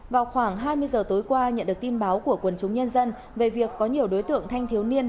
vào khoảng hai mươi giờ tối qua nhận được tin báo của quần chúng nhân dân về việc có nhiều đối tượng thanh thiếu niên